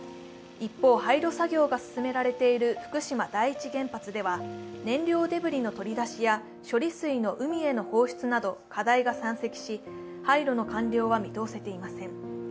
一方、廃炉作業が進められている福島第一原発では燃料デブリの取り出しや処理水の海への放出など課題が山積し、廃炉の完了は見通せていません。